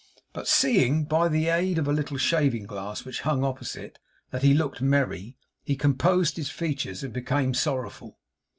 But seeing, by the aid of a little shaving glass which hung opposite, that he looked merry, he composed his features and became sorrowful.